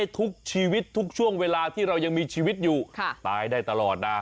ทุกชีวิตทุกช่วงเวลาที่เรายังมีชีวิตอยู่ตายได้ตลอดนะ